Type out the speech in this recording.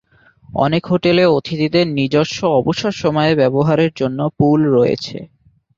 অনেক হোটেলে অতিথিদের নিজস্ব অবসর সময়ে ব্যবহারের জন্য পুল রয়েছে।